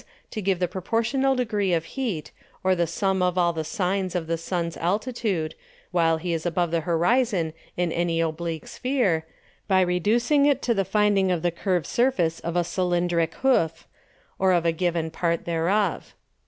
_ to give the proportional Degree of Heat, or the Sum of all the Sines of the Sun's Altitude, while he is above the Horizon in any oblique Sphere, by reducing it to the finding of the Curve Surface of a Cylindrick Hoof, or of a given part thereof.